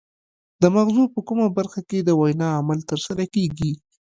د مغزو په کومه برخه کې د وینا عمل ترسره کیږي